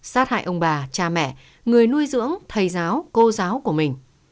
sát hại ông bà cha mẹ người nuôi dưỡng thầy giáo cô giáo của mình